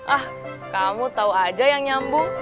ah kamu tau aja yang nyambung